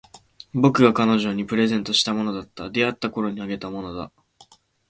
僕が彼女にプレゼントしたものだった。出会ったころにあげたものだ。